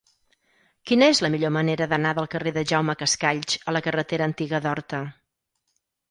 Quina és la millor manera d'anar del carrer de Jaume Cascalls a la carretera Antiga d'Horta?